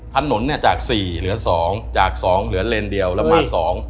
ถนนจาก๔เหลือสองจาก๒เหลือเลนส์เดียวแล้วมาส๒